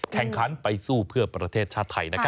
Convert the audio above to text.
แข่งขั้นไปสู้เพื่อประเทศชาติไทยนะครับ